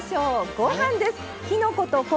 ご飯です。